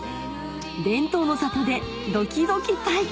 伝統の里でドキドキ体験